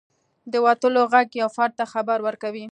• د وتلو ږغ یو فرد ته خبر ورکوي.